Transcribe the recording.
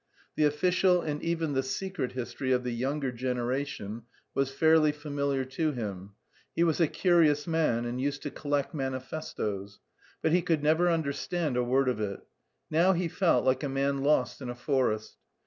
The official and even the secret history of the "younger generation" was fairly familiar to him he was a curious man and used to collect manifestoes but he could never understand a word of it. Now he felt like a man lost in a forest.